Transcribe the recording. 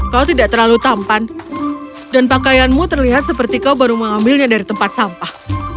kau tidak terlalu tampan dan pakaianmu terlihat seperti kau baru mengambilnya dari tempat sampah